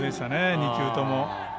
２球とも。